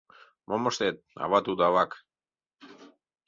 Мом ыштет, ава тудо — авак.